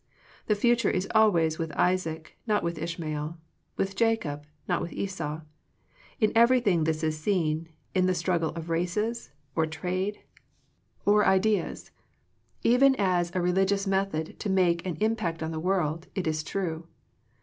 The future is al ways with Isaac, not with Ishmael — with Jacob, not with Esau. In everything this is seen, in the struggle of races, or trade. Digitized by VjOOQIC THE FRUITS OF FRIENDSHIP or ideas. Even as a religious metliod to make an impact on the world, it is true.